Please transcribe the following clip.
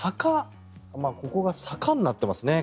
ここが坂になっていますね。